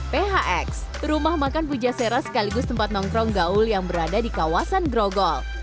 phx rumah makan puja sera sekaligus tempat nongkrong gaul yang berada di kawasan grogol